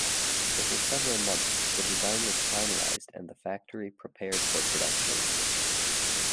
Over several months, the design was finalized and the factory prepared for production.